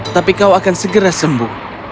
tapi kau akan segera sembuh